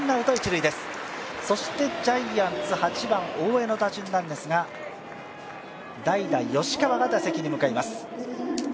ジャイアンツ、８番・大江の打順ですが、代打・吉川が打席に向かいます。